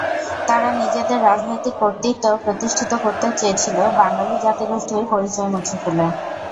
তারা নিজেদের রাজনৈতিক কর্তৃত্ব প্রতিষ্ঠিত করতে চেয়েছিল বাঙালি জাতিগোষ্ঠীর পরিচয় মুছে ফেলে।